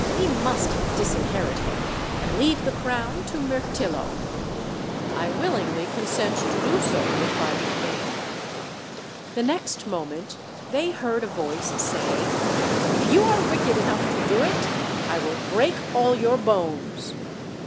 "We must disinherit him and leave the crown to Mirtillo." "I willingly consent to do so," replied the king. The next moment they heard a voice say: "If you are wicked enough to do it, I will break all your bones."